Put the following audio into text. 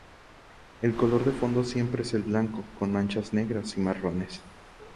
El color de fondo siempre es el blanco, con manchas negras y marrones.